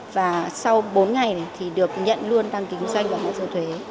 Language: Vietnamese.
và sau bốn ngày thì được nhận luôn đăng ký kinh doanh và hệ thống thuế